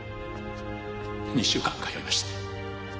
２週間通いました。